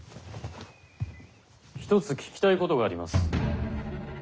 ひとつ聞きたいことがあります。